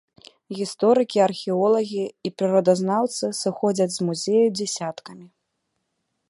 Гісторыкі, археолагі і прыродазнаўцы сыходзяць з музею дзясяткамі.